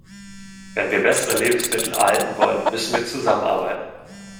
Wenn wir bessere Lebensmittel erhalten wollen, müssen wir zusammenarbeiten.